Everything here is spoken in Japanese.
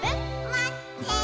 「まってー」